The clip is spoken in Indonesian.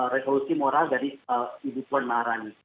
revolusi moral dari ibu puan maharani